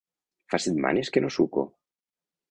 Fa setmanes que no suco.